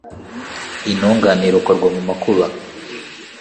Intungane irokorwa mu makuba